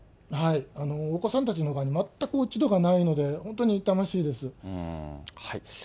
お子さんたちのほうに全く落ち度がないので、本当に痛ましいです。